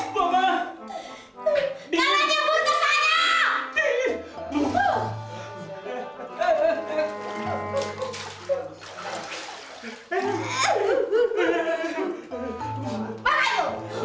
kalah dia putus asa